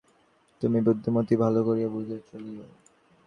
তুমি বুদ্ধিমতী, ভালো করিয়া বুঝিয়া চলিয়ো।